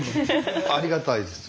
ありがたいですよ。